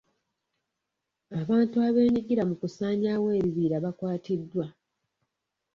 Abantu abeenyigira mu kusaanyawo ebibira bakwatiddwa.